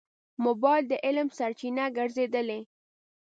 موبایل د علم سرچینه ګرځېدلې.